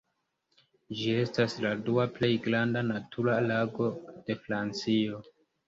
Ĝi estas la dua plej granda natura lago de Francio.